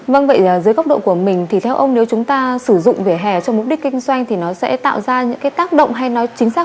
vâng vậy dưới góc độ của mình thì theo ông nếu chúng ta sử dụng vỉa hè cho mục đích kinh doanh thì nó sẽ tạo ra những cái tác động hay nó chính xác